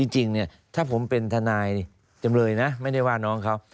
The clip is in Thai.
จริงเนี่ยถ้าผมเป็นทนายจำเลยนะไม่ได้ว่าน้องเขา